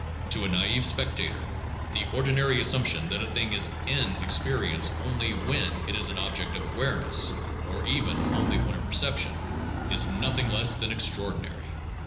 To a naive spectator, the ordinary assumption that a thing is "in" ex perience only when it is an object of awareness (or even only when a perception), is nothing less than extraordinary.